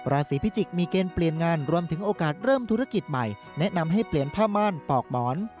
ราศีพิจิกษ์มีเกณฑ์เปลี่ยนงานรวมถึงโอกาสเริ่มธุรกิจใหม่แนะนำให้เปลี่ยนผ้าม่านปอกหมอน